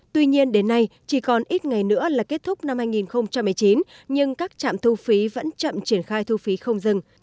tuy nhiên đến nay chỉ còn ít ngày nữa là kết thúc năm hai nghìn một mươi chín nhưng các trạm thu phí vẫn chậm triển khai thu phí không dừng